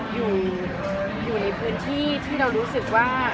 อยู่ในพื้นที่ที่เรารู้สึกว่า